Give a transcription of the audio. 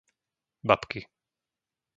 Babky